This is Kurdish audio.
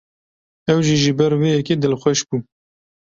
Ew jî ji ber vê yekê dilxweş bû.